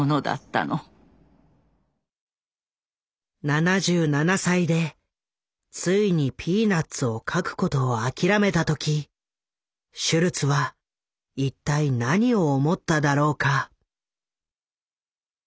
７７歳でついに「ピーナッツ」を描くことを諦めた時シュルツは一体何を思っただろうか？